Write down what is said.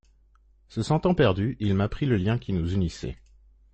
Se sentant perdu, il m’apprit le lien qui nous unissait.